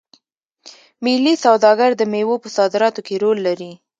ملي سوداګر د میوو په صادراتو کې رول لري.